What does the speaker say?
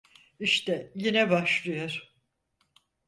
İşte yine başlıyor.